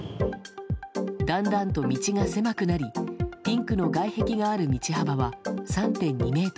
だんだんと道が狭くなりピンクの外壁がある道幅は３．２ｍ。